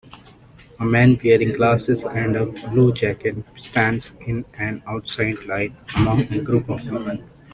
A man wearing glasses and a blue jacket stands in an outside line among a group of women